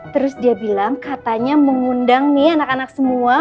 terus dia bilang katanya mengundang nih anak anak semua